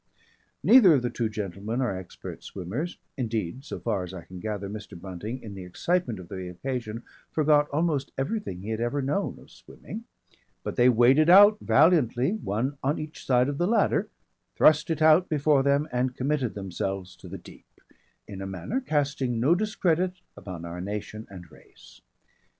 Neither of the two gentlemen are expert swimmers indeed so far as I can gather, Mr. Bunting in the excitement of the occasion forgot almost everything he had ever known of swimming but they waded out valiantly one on each side of the ladder, thrust it out before them and committed themselves to the deep, in a manner casting no discredit upon our nation and race.